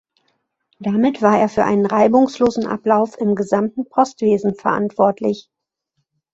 Damit war er für den reibungslosen Ablauf im gesamten Postwesen verantwortlich.